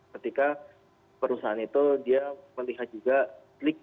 ketika perusahaan itu dia melihat juga klik